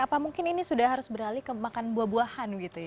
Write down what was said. apa mungkin ini sudah harus beralih ke makan buah buahan gitu ya